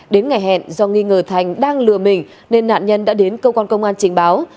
đến ngày hẹn do nghi ngờ thành đang lừa mình nên nạn nhân đã đến cơ quan công an trình báo